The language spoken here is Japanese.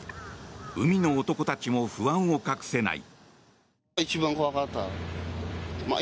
海の男たちも不安を隠せない。